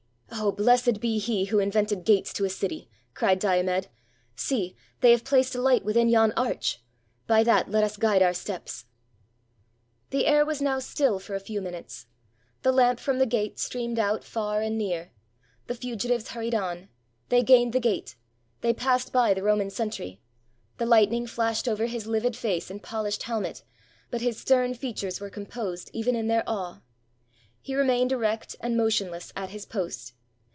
"Oh, blessed be he who invented gates to a city!" cried Diomed. " See !— they have placed a hght within yon arch: by that let us guide our steps." The air was now still for a few minutes: the lamp from the gate streamed out far and clear: the fugitives hurried on — they gained the gate — they passed by the Ro man sentry; the Hghtning flashed over his livid face and polished helmet, but his stem features were composed even in their awe ! He remained erect and motionless at his post.